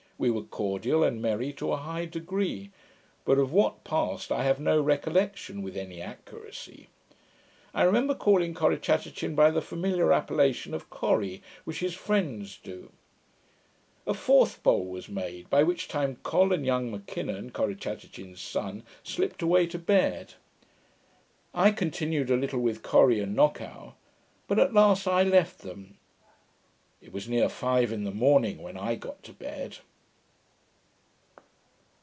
We were cordial, and merry to a high degree; but of what passed I have no recollection, with any accuracy. I remember calling Corrichatachin by the familiar appellation of Corri, which his friends do. A fourth bowl was made, by which time Col, and young M'Kinnon, Corrichatachin's son, slipped away to bed. I continued a little with Corri and Knockow; but at last I left them. It was near five in the morning when I got to bed.